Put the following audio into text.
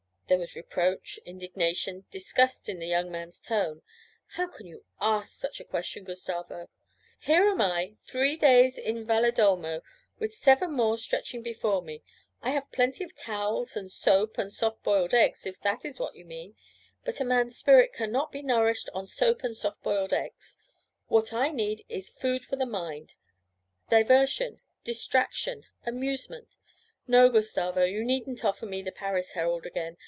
There was reproach, indignation, disgust in the young man's tone. 'How can you ask such a question, Gustavo? Here am I, three days in Valedolmo, with seven more stretching before me. I have plenty of towels and soap and soft boiled eggs, if that is what you mean; but a man's spirit cannot be nourished on soap and soft boiled eggs. What I need is food for the mind diversion, distraction, amusement no, Gustavo, you needn't offer me the Paris Herald again.